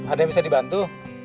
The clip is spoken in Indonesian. ada yang bisa dibantu